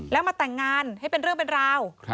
แล้วมาแต่งงานให้เป็นเรื่องเป็นราว